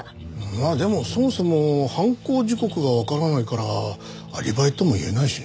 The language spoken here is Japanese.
いやでもそもそも犯行時刻がわからないからアリバイともいえないしね。